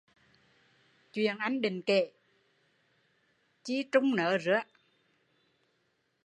Chuyện anh định kể, chi trung nớ rứa